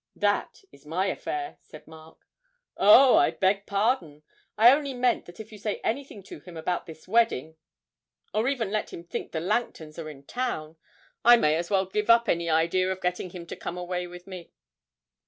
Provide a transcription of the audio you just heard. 'That is my affair,' said Mark. 'Oh, I beg pardon! I only meant that if you say anything to him about this wedding, or even let him think the Langtons are in town, I may as well give up any idea of getting him to come away with me.